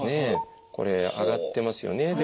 これ上がってますよね。